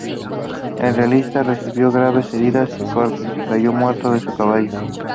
El realista recibió graves heridas y cortes, y cayó muerto de su caballo.